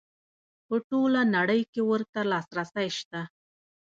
په ټوله نړۍ کې ورته لاسرسی شته.